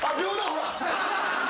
ほら。